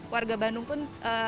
warga bandung pun